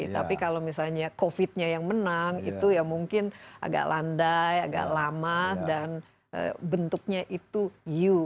tapi kalau misalnya covid nya yang menang itu ya mungkin agak landai agak lama dan bentuknya itu u